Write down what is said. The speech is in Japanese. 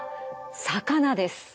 魚です。